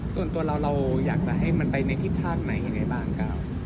ส่วนตัวเราเราอยากจะให้มันไปในทิศทางไหนยังไงบ้าง